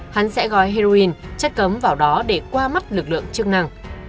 hắn sẽ gói heroin chất cấm vào đó để qua mắt lực lượng chức năng